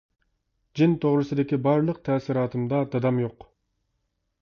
جىن توغرىسىدىكى بارلىق تەسىراتىمدا دادام يوق!